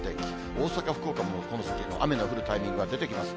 大阪、福岡もこの先、雨の降るタイミングが出てきます。